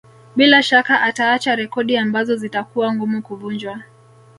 Bila shaka ataacha rekodi ambazo zitakuwa ngumu kuvunjwa